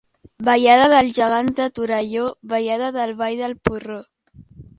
Ballada dels Gegants de Torelló, ballada del "Ball del porró".